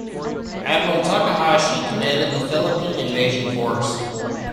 Admiral Takahashi commanded the Philippine Invasion Force.